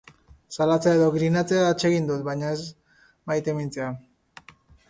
Zaletzea edo grinatzea atsegin dut, baina ez maitemintzea.